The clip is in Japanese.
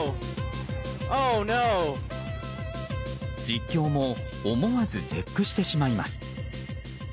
実況も思わず絶句してしまいます。